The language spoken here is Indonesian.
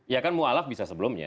ya kan mu'alaf bisa sebelumnya